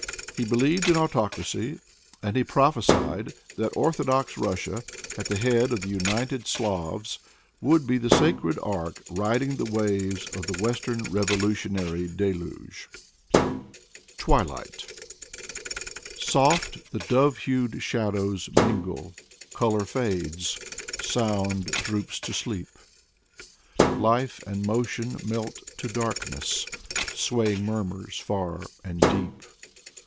He be lieved in autocracy, and he prophesied that Orthodox Russia, at the head of the united Slavs, would be the sacred arc riding the waves of the western revolutionary deluge. 23 24 Fyodor Tyutchev TWILIGHT^ Soft the dove hued shadows mingle, C)lor fades, sound droops to sleep. Life and motion melt to darkness Swaying murmurs far and deep.